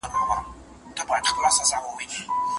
دی ها دی زه شو او زه دی شوم بيا راونه خاندې